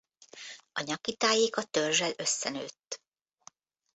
A nyaki tájék a törzzsel összenőtt.